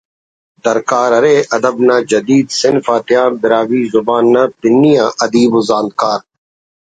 درکار ارے ادب نا جدید صنف آتیا براہوئی زبان نا پنی آ ادیب و زانتکار